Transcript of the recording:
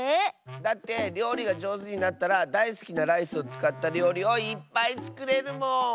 だってりょうりがじょうずになったらだいすきなライスをつかったりょうりをいっぱいつくれるもん！